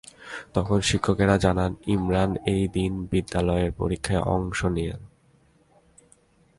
তখন শিক্ষকেরা জানান, ইমরান ওই দিন বিদ্যালয়ের পরীক্ষায় অংশ নেয়নি।